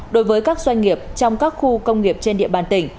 đối với các doanh nghiệp trong các khu công nghiệp trên địa bàn tỉnh